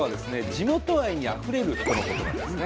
地元愛にあふれる人のことなんですね。